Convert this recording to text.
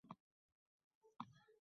Juda to'g'ri.